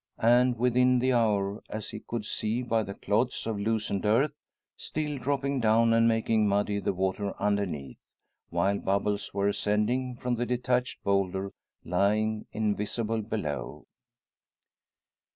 And within the hour, as he could see by the clods of loosened earth still dropping down and making muddy the water underneath; while bubbles were ascending from the detached boulder lying invisible below!